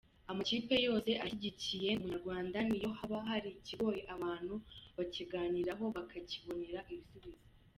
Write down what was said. Amakipe yose ashyigikiye ‘Ndi Umunyarwanda’, niyo haba hari ikigoye abantu bakiganiraho bakakibonera ibisubizo.